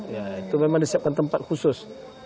ya itu memang disiapkan tempat khusus